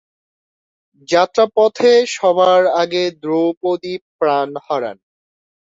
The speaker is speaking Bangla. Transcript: যাত্রাপথে সবার আগে দ্রৌপদী প্রাণ হারান।